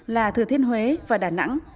là thừa thiên huế và đà nẵng